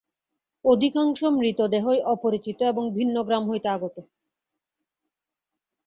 অধিকাংশ মৃতদেহই অপরিচিত এবং ভিন্ন গ্রাম হইতে আগত।